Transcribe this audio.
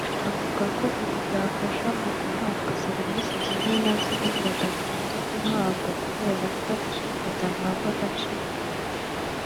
Avuga ko ibi byabafasha mu guhabwa serivisi zimwe na zimwe badakunze guhabwa kubera ko badahabwa agaciro